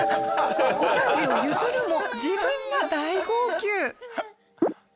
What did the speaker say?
おしゃぶりを譲るも自分が大号泣。